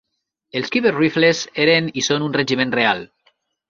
Els Khyber Rifles eren i són un regiment real.